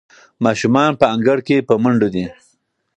ماشومان په انګړ کې په منډو دي.